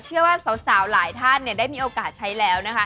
เชื่อว่าสาวหลายท่านได้มีโอกาสใช้แล้วนะคะ